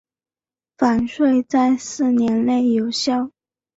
返税在四年内有效。